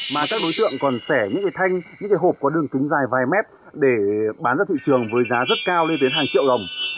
mà các đối tượng còn sẻ những cái thanh những cái hộp có đường kính dài vài mét để bán ra thị trường với giá rất cao lên đến hàng triệu đồng